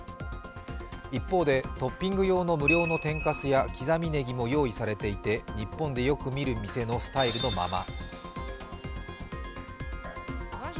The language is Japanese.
一方で、トッピング用の無料の天かすや刻みねぎも用意されていて日本でよく見る店のスタイルのまま。